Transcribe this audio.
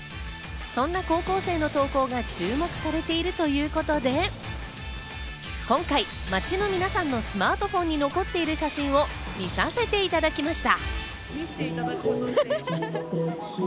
そんな高校生の投稿が注目されているということで、今回、街の皆さんのスマートフォンに残っている写真を見させていただきました。